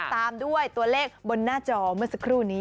ตามด้วยตัวเลขบนหน้าจอเมื่อสักครู่นี้